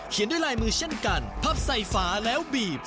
ด้วยลายมือเช่นกันพับใส่ฝาแล้วบีบ